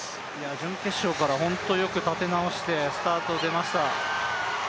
準決勝から本当によく立て直してスタート出ました。